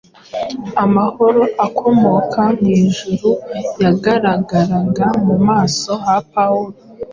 Amahoro akomoka mu ijuru yagaragaraga mu maso ha Pawulo